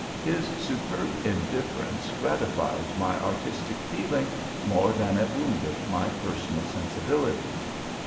His superb indifference gratified my artistic feeling more than it wounded my personal sensibilities.